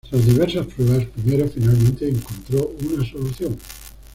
Tras diversas pruebas, Pinero finalmente encontró una solución.